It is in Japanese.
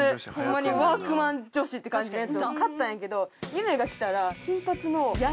ワークマン女子って感じのやつを買ったんやけど結愛が着たら。